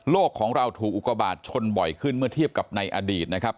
ของเราถูกอุกบาทชนบ่อยขึ้นเมื่อเทียบกับในอดีตนะครับ